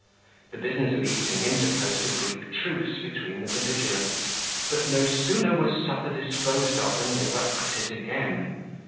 The business of eating interposed a brief truce between the belligerents, but no sooner was supper disposed of than they were at it again.